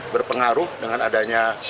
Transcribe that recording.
berpengaruh dengan adanya